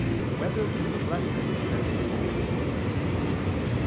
2] Whether in the Blessed There Is Hope?